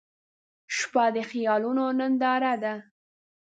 • شپه د خیالونو ننداره ده.